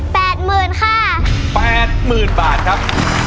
หมื่นค่ะแปดหมื่นบาทครับ